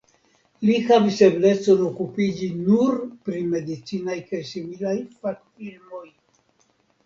Li havis eblecon okupiĝi nur pri medicinaj kaj similaj fakfilmoj.